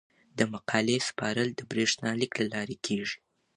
د مقالې سپارل د بریښنالیک له لارې کیږي.